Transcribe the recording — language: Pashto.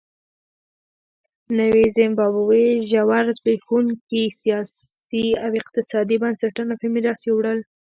نوې زیمبابوې ژور زبېښونکي سیاسي او اقتصادي بنسټونه په میراث یووړل.